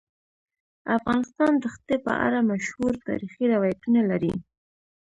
افغانستان د ښتې په اړه مشهور تاریخی روایتونه لري.